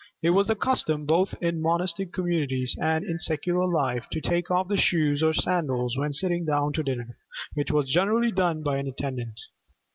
It was the custom, both in monastic communities and in secular life, to take off the shoes or sandals when sitting down to dinner; which was generally done by an attendant.